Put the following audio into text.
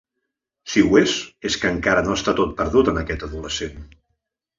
Si ho és, és que encara no està tot perdut, en aquest adolescent.